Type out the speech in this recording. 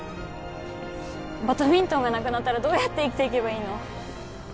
バドミントンがなくなったらどうやって生きていけばいいの？